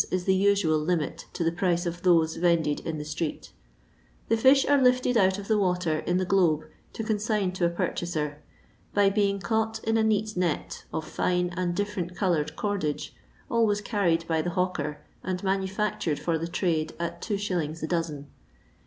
is the usual limit to the price of those vended in the street The fi»h are lifted out of the water in the globe to con sign to a purchaser, by being caught in a neat net, of fine and difierent coloured cordage, always carried by the hawker, and manufactured for the trade at 2s. the dozen.